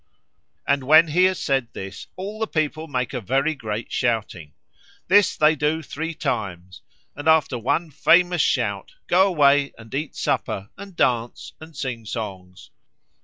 And when he has said this, all the people make a very great shouting. This they do three times, and after one famous shout go away and eat supper, and dance, and sing songs."